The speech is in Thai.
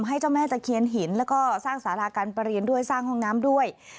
ให้เจ้าแม่ตะเคียนหินแล้วก็สร้างสาราการประเรียนด้วยสร้างห้องน้ำด้วย